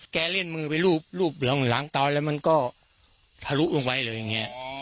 เล่นมือไปรูปหลังเตาแล้วมันก็ทะลุลงไว้เลยอย่างนี้